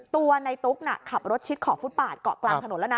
ตัวในตุ๊กน่ะขับรถชิดขอบฟุตปาดเกาะกลางถนนแล้วนะ